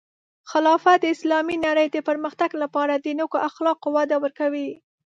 خلافت د اسلامی نړۍ د پرمختګ لپاره د نیکو اخلاقو وده ورکوي.